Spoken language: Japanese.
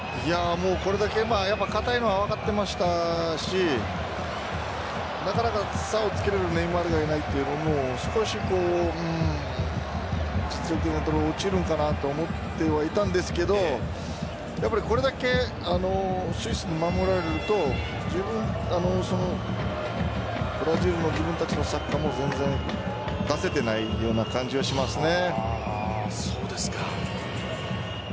これだけ堅いのは分かっていましたしなかなか差をつけられるネイマールがいないということも少し実力のところ落ちるのかなと思ってはいたんですけどやっぱり、これだけスイスに守られると非常にブラジルの自分たちのサッカーも全然出せてないような感じはしますね。